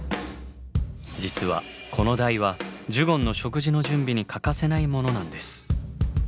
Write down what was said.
実はこの台はジュゴンの食事の準備に欠かせないものなんです。